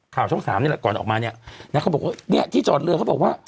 ช่องสามนี่แหละก่อนออกมาเนี่ยนะเขาบอกว่าเนี่ยที่จอดเรือเขาบอกว่า